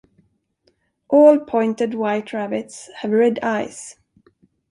All pointed white rabbits have red eyes.